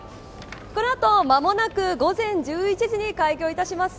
この後、間もなく午前１１時に開業いたします。